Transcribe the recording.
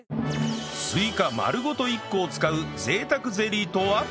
スイカ丸ごと１個を使う贅沢ゼリーとは？